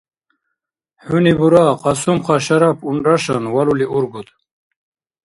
— Хӏуни бура, Кьасумхъа Шарап, унрашан, валули ургуд.